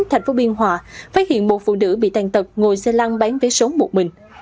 thành phố biên hòa phát hiện một phụ nữ bị tàn tật ngồi xe lăng bán vé số một mình